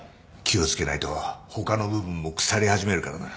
気を付けないと他の部分も腐り始めるからな。